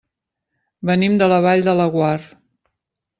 Venim de la Vall de Laguar.